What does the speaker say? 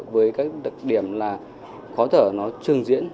với các đặc điểm là khó thở nó trừng diễn